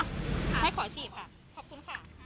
ไม่ขอฉีดค่ะขอบคุณค่ะ